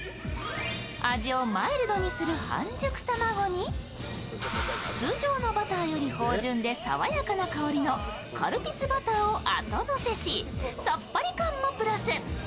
味をマイルドにする半熟卵に通常のバターより芳じゅんで爽やかな香りのカルピスバターをあとのせし、さっぱり感もプラス。